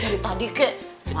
dari tadi kek